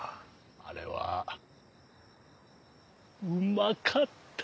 あれはうまかった！